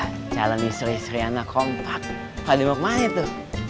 di jalan istri istri anak kompak paling mau kemana itu